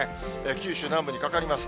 九州南部にかかります。